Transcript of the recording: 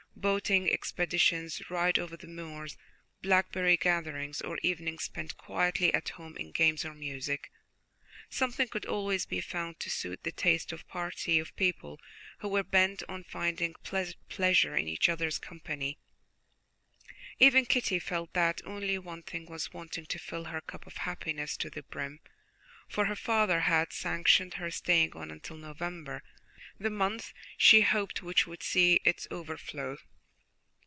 Boating expeditions, rides over the moors, blackberry gatherings, or evenings spent quietly at home in games or music, something could always be found to suit the tastes of a party of people who were bent on finding pleasure in each other's company; even Kitty felt that only one thing was wanting to fill her cup of happiness to the brim, for her father had sanctioned her staying on until November, the month, she hoped, which would see its overflow.